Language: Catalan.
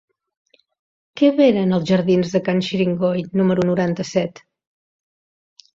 Què venen als jardins de Can Xiringoi número noranta-set?